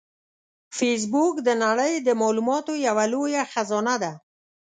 فېسبوک د نړۍ د معلوماتو یوه لویه خزانه ده